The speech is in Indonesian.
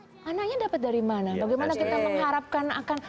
bagaimana kita mengharapkan akan